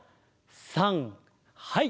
さんはい！